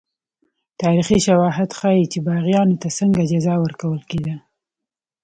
تاریخي شواهد ښيي چې باغیانو ته څنګه جزا ورکول کېده.